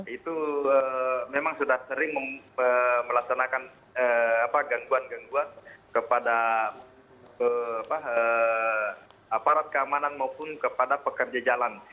itu memang sudah sering melaksanakan gangguan gangguan kepada aparat keamanan maupun kepada pekerja jalan